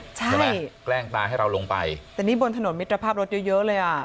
ใช่ไหมแกล้งตาให้เราลงไปแต่นี่บนถนนมิตรภาพรถเยอะเยอะเลยอ่ะ